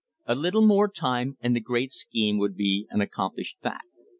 A little more time and the great scheme would be an accomplished fact.